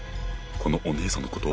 このお姉さんのこと？